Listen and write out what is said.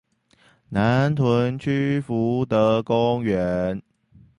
南屯區福德公園